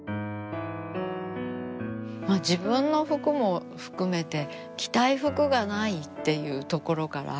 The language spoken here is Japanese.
自分の服も含めて着たい服がないっていうところから。